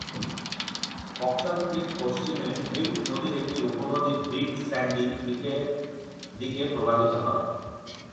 Boxer Creek পশ্চিমে Milk নদীর একটি উপনদী বিগ স্যান্ডি ক্রিকের দিকে প্রবাহিত হয়।